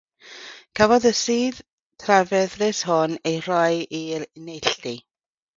Cafodd y sudd trafferthus hwn ei roi i'r neilltu.